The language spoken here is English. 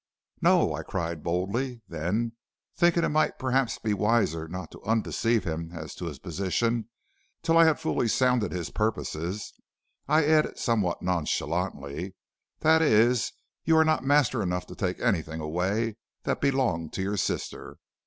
"'No,' I cried boldly; then, thinking it might perhaps be wiser not to undeceive him as to his position till I had fully sounded his purposes, I added somewhat nonchalantly: 'that is, you are not master enough to take anything away that belonged to your sister.